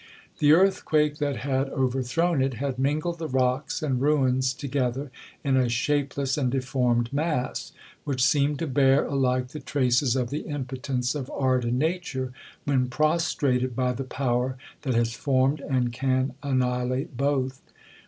The earthquake that had overthrown it, had mingled the rocks and ruins together in a shapeless and deformed mass, which seemed to bear alike the traces of the impotence of art and nature, when prostrated by the power that has formed and can annihilate both.